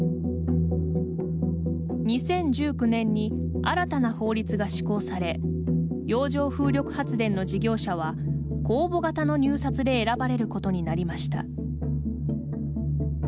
２０１９年に新たな法律が施行され洋上風力発電の事業者は公募型の入札で選ばれることになりました。